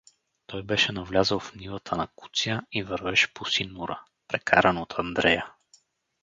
Той беше навлязъл в нивата на Куция и вървеше по синура, прекаран от Андрея.